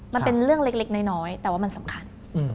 มันเป็นเรื่องเล็กน้อยแต่ว่ามันสำคัญ